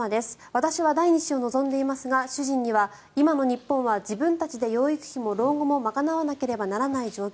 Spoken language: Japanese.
私は第２子を望んでいますが主人には今の日本は自分たちで養育費も老後も賄わなければならない状況。